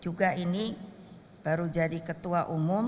juga ini baru jadi ketua umum